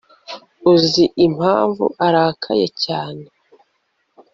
uzi impamvu arakaye cyane